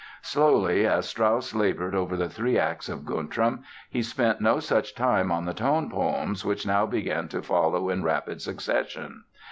Slowly as Strauss labored over the three acts of Guntram he spent no such time on the tone poems which now began to follow in rapid succession.